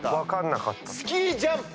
スキージャンプ。